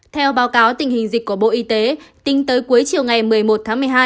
theo báo cáo tình hình dịch của bộ y tế tính tới cuối chiều ngày một mươi một tháng một mươi hai